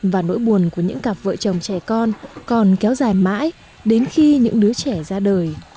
và nỗi buồn của những cặp vợ chồng trẻ con còn kéo dài mãi đến khi những đứa trẻ ra đời